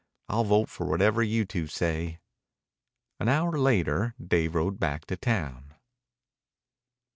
I'll vote for whatever you two say." An hour later Dave rode back to town.